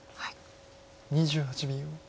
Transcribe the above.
２８秒。